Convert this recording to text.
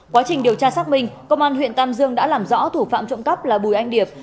quá trình điều tra xác minh công an huyện tam dương đã làm rõ thủ phạm trộm cắp là bùi anh điệp